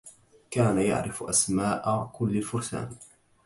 كان يعرف أسماء كل الفرسان.